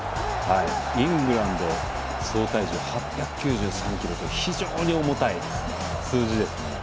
イングランド総体重８９３ｋｇという非常に重たい数字ですね。